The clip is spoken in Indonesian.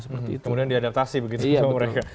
kemudian diadaptasi begitu ke mereka